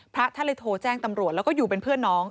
พระท่านเลยโทรแจ้งตำรวจแล้วก็อยู่เป็นเพื่อนน้อง